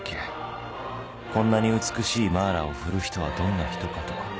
こんなに美しいマーラーを振る人はどんな人かと。